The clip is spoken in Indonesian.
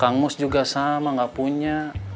kang mus juga sama gak punya